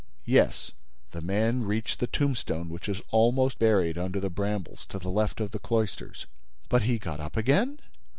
"Yes. The man reached the tombstone which is almost buried under the brambles, to the left of the cloisters." "But he got up again?"